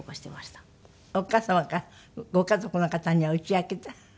お母様かご家族の方には打ち明けた？